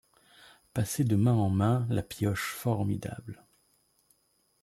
Passer de main en main la pioche formidable ;